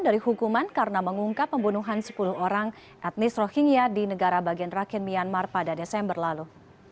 dari hukuman karena mengungkap pembunuhan sepuluh orang etnis rohingya di negara bagian rakhine myanmar pada desember lalu